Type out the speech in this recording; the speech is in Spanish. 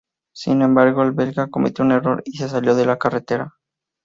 Sin embargo, el belga cometió un error y se salió de la carretera.